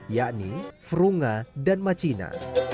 yakni frunga dan macina